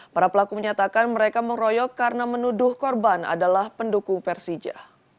para pelaku menyatakan mereka mengeroyok karena menuduh korban adalah pendukung persija